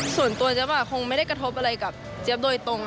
ส่วนตัวเจี๊ยบคงไม่ได้กระทบอะไรกับเจี๊ยบโดยตรง